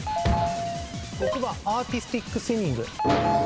６番アーティスティックスイミング。